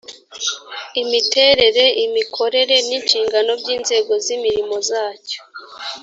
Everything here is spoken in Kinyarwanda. imiterere imikorere n’inshingano by’inzego z’imirimo zacyo